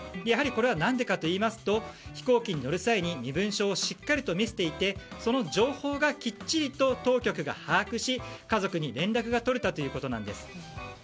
やはりこれは何でかといいますと飛行機に乗る際に身分証をしっかりと見せていてその情報をきっちりと当局が把握し家族に連絡がとれたということです。